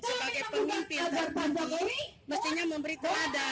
sebagai pemimpin mestinya memberi teladan